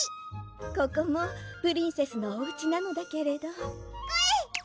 ここもプリンセスのおうちなのだけれどこえ！